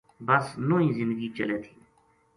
بس نوہی زندگی چلے تھی